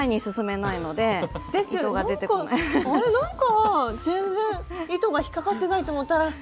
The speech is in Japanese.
なんかあれなんか全然糸が引っ掛かってないと思ったら。